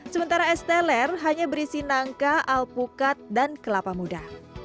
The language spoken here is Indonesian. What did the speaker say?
sementara es teler hanya berisi nangka alpukat dan kelapa muda